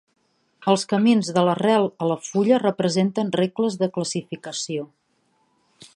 Els camins de l'arrel a la fulla representen regles de classificació.